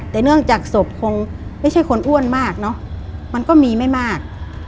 แต่เนื่องจากศพคงไม่ใช่คนอ้วนมากเนอะมันก็มีไม่มาก